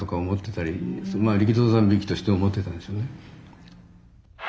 まあ力道山びいきとして思ってたんですよね。